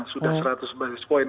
sudah seratus basis point